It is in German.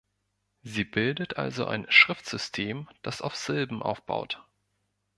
Sie bildet also ein Schriftsystem, das auf Silben aufbaut.